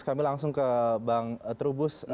kami langsung ke bang terubus